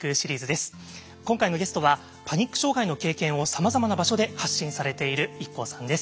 今回のゲストはパニック障害の経験をさまざまな場所で発信されているＩＫＫＯさんです。